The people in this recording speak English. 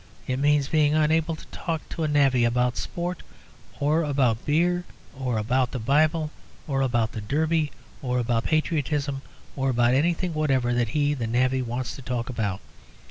It means being unable to talk to a navvy about sport, or about beer, or about the Bible, or about the Derby, or about patriotism, or about anything whatever that he, the navvy, wants to talk about.